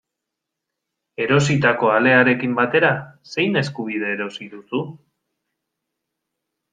Erositako alearekin batera, zein eskubide erosi duzu?